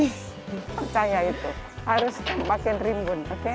percaya itu harus pakai rimbun